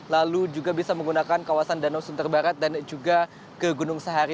lalu juga bisa menggunakan kawasan danau sunter barat dan juga ke gunung sahari